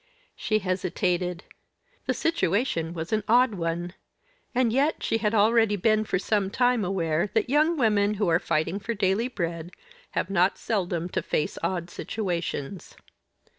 She hesitated. The situation was an odd one and yet she had already been for some time aware that young women who are fighting for daily bread have not seldom to face odd situations.